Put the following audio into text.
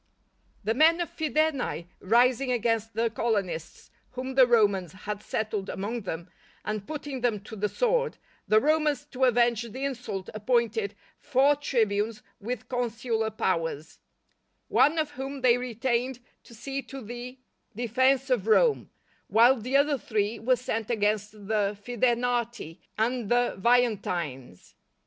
_ The men of Fidenae rising against the colonists whom the Romans had settled among them, and putting them to the sword, the Romans to avenge the insult appointed four tribunes with consular powers: one of whom they retained to see to the defence of Rome, while the other three were sent against the Fidenati and the Veientines.